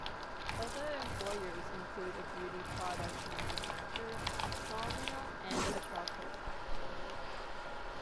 Other employers include a beauty products manufacturer, sawmill and a charcoal factory.